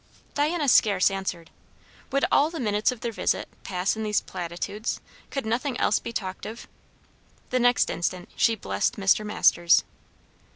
Diana scarce answered. Would all the minutes of their visit pass in these platitudes? could nothing else be talked of? The next instant she blessed Mr. Masters.